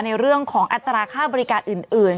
ในเรื่องของอัตราค่าบริการอื่น